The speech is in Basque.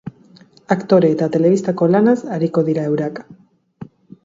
Aktore eta telebistako lanaz ariko dira eurak.